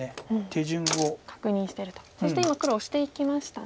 そして今黒オシていきましたね。